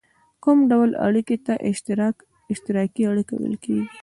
کوم ډول اړیکې ته اشتراکي اړیکه ویل کیږي؟